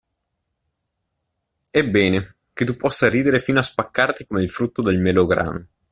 Ebbene, che tu possa ridere fino a spaccarti come il frutto del melograno!